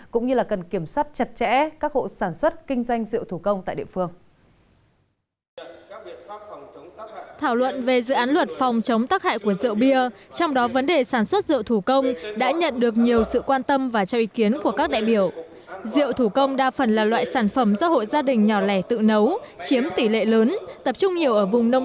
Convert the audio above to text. cũng như là cần kiểm soát chặt chẽ các hộ sản xuất kinh doanh rượu thủ công tại địa phương